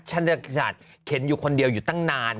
ฉันจะขนาดเข็นอยู่คนเดียวอยู่ตั้งนาน